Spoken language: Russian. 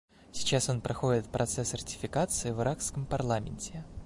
Сейчас он проходит процесс ратификации в иракском парламенте.